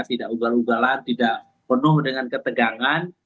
tidak ugal ugalan tidak penuh dengan ketegangan